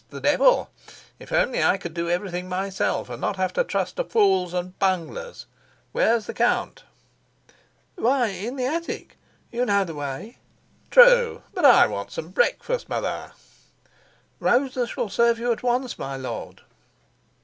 The devil! If only I could do everything myself, and not have to trust to fools and bunglers! Where's the count?" "Why, in the attic. You know the way." "True. But I want some breakfast, mother." "Rosa shall serve you at once, my lord."